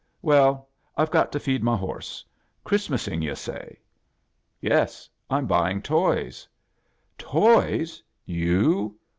" Well, I've got to feed my horse. Christmasing, yu' say?" " Yes; I'm buying toys." " Toys! You?